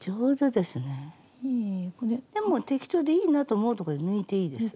でも適当でいいなあと思うところで抜いていいです。